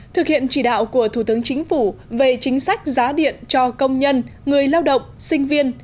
thực hiện chỉ đạo của thủ tướng chính phủ về chính sách giá điện cho công nhân người lao động sinh viên